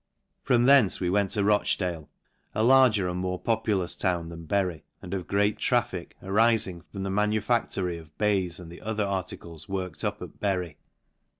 From thence we went to Rochdale, a larger and more populous town than Bury, and of great traffic, arifing from the manufactory of baize, and the other articles worked up at Bury.